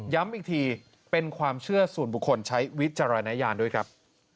อีกทีเป็นความเชื่อส่วนบุคคลใช้วิจารณญาณด้วยครับ